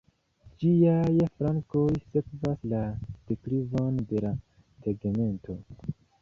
Ĝiaj flankoj sekvas la deklivon de la tegmento.